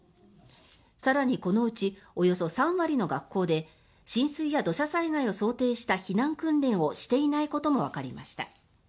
更に、このうちおよそ３割の学校で浸水や土砂災害を想定した避難訓練をしていないこともわかりました。